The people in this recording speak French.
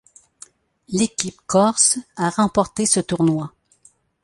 L'équipe corse a remporté ce tournoi.